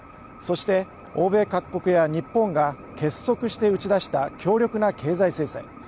そして、欧米各国や日本が結束して打ち出した強力な経済制裁。